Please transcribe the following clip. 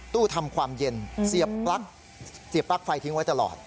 ตู้ทำความเย็นเสียบปลั๊กฟ้าทิ้งไว้ตลอด